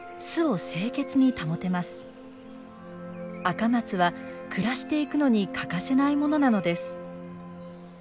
アカマツは暮らしていくのに欠かせないものなのです。